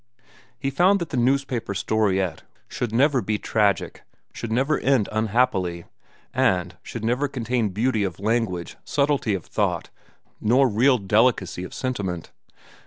He found that the newspaper storiette should never be tragic, should never end unhappily, and should never contain beauty of language, subtlety of thought, nor real delicacy of sentiment.